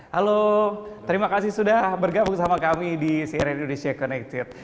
halo terima kasih sudah bergabung sama kami di cnn indonesia connected